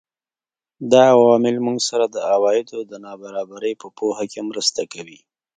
دا عوامل موږ سره د عوایدو د نابرابرۍ په پوهه کې مرسته کوي